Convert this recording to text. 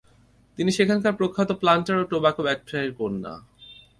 তিনি সেখানকার প্রখ্যাত প্লান্টার ও টোবাকো ব্যবসায়ীর কন্যা।